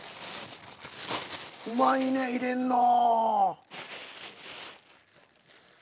うまいね入れるの。